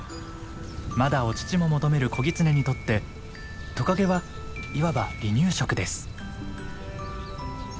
まだお乳も求める子ギツネにとってトカゲはいわば離乳食です。